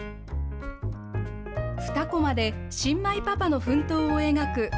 ２コマで、新米パパの奮闘を描く